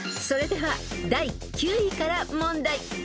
［それでは第９位から問題］